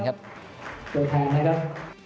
โดยแทนให้ครับ